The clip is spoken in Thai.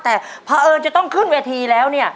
แต่พอเอิญจะต้องขึ้นเวทีแล้วเนี่ย